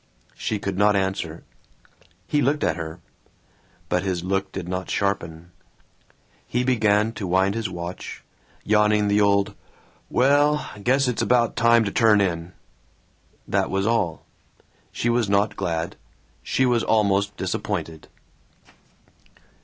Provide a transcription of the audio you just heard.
She could not answer. He looked at her. But his look did not sharpen. He began to wind his watch, yawning the old "Welllllll, guess it's about time to turn in." That was all. Yet she was not glad. She was almost disappointed.